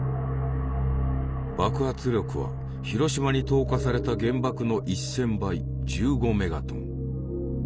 爆発力は広島に投下された原爆の１，０００倍１５メガトン。